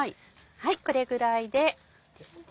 これぐらいでいいですね。